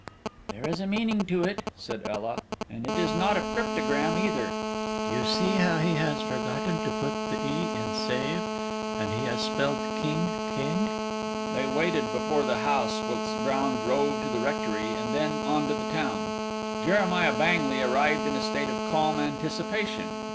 "There is a meaning to it," said Ela, "and it is not a cryptogram either. You see how he has forgotten to put the 'e' in 'save'? And he has spelt 'king' 'keng.'" They waited before the house whilst Brown drove to the rectory, and then on to the town. Jeremiah Bangley arrived in a state of calm anticipation.